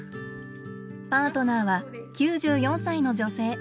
パートナーは９４歳の女性。